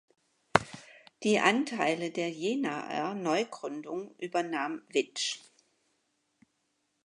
Die Anteile der Jenaer Neugründung übernahm Witsch.